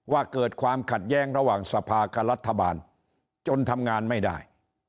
ว่าเกิดความขัดแย้งระหว่างสภากับรัฐบาลจนทำงานไม่ได้